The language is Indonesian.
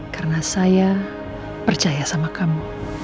karena saya percaya sama kamu